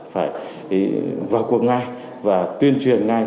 phải vào cuộc ngai và tuyên truyền